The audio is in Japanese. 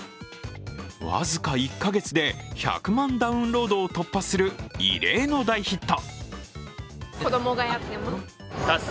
僅か１か月で１００万ダウンロードを突破する異例の大ヒット。